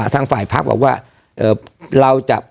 ทางฝ่ายพักบอกว่า